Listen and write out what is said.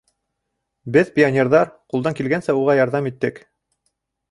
Беҙ, пионерҙар, ҡулдан килгәнсә, уға ярҙам иттек.